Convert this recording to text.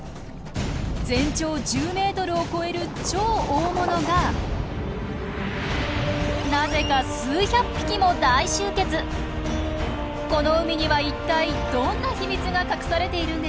全長１０メートルを超える超大物がこの海には一体どんな秘密が隠されているんでしょう？